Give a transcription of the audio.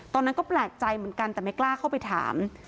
ตอนนั้นก็แปลกใจเหมือนกันแต่ไม่กล้าเข้าไปถาม